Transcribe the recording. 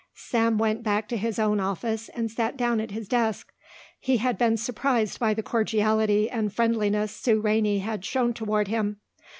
Sam went back to his own office and sat down at his desk. He had been surprised by the cordiality and friendliness Sue Rainey had shown toward him.